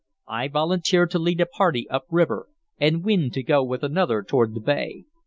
I volunteered to lead a party up river, and Wynne to go with another toward the bay.